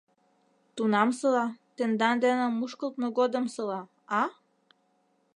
Тунамсыла, тендан дене мушкылтмо годымсыла, а?